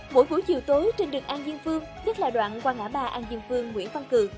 mỗi buổi chiều tối trên đường an diên phương nhất là đoạn qua ngã ba an diên phương nguyễn văn cường